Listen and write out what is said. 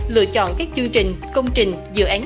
lựa chọn các chương trình công trình dự án